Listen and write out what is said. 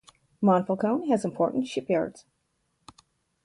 Monfalcone has important shipyards.